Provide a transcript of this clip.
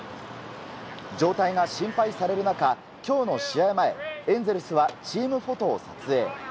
状態が心配される中今日の試合前エンゼルスはチームフォトを撮影。